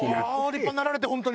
立派になられて本当に。